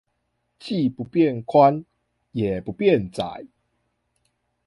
既不變寬，也不變窄？